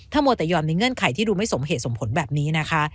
มัวแต่ยอมในเงื่อนไขที่ดูไม่สมเหตุสมผลแบบนี้นะคะ